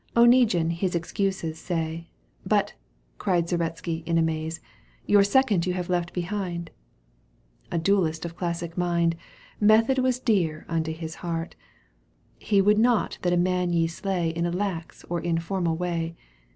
Oneguine his excuses says ;" But," cried Zaretski in amaze, " Your second you have left behind !" A duellist of classic mind. Method was dear unto his heart He would not that a man ye slay In a lax or informal way.